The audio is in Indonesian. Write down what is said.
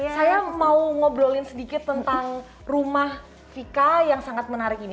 saya mau ngobrolin sedikit tentang rumah vika yang sangat menarik ini